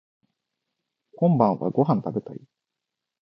こんばんはご飯食べたい